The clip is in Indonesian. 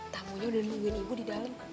tamunya udah nungguin ibu di dalam